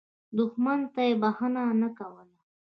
دښمن ته یې بخښنه نه کول.